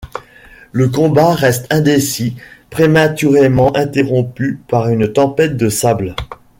Le combat reste indécis, prématurément interrompu par une tempête de sable.